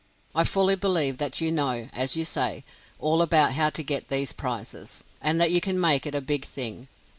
I fully believe that you know, as you say, all about how to get these prizes, and that you can make it a big thing.